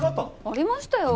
ありましたよ。